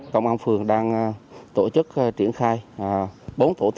công an phường đang tổ chức triển khai bốn tổ tuần tra